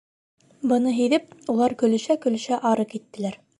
Быны һиҙеп, улар көлөшә-көлөшә ары киттеләр.